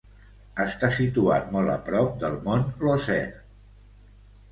Està situat molt a prop del mont Lozère.